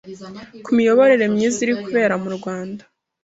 ku miyoborere myiza iri kubera mu Rwanda